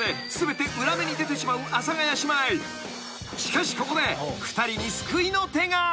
［しかしここで２人に救いの手が］